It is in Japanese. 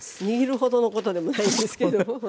握るほどのことでもないんですけども。